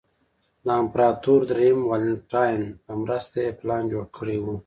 د امپراتور درېیم والنټیناین په مرسته یې پلان جوړ کړی و